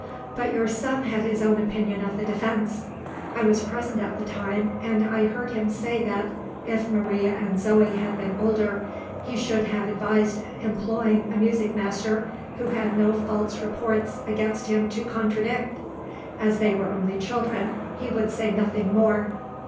But your son had his own opinion of the defence. I was present at the time, and I heard him say that, if Maria and Zoe had been older, he should have advised employing a music master who had no false reports against him to contradict. As they were only children, he would say nothing more.